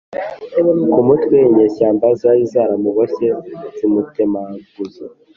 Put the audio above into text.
Ku mutwe inyeshyamba zari zaramuboshye zimutemaguza